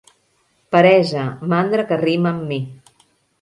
Peresa, mandra que rima amb mi.